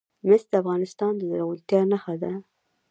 مس د افغانستان د زرغونتیا نښه ده.